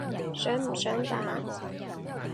想唔想打？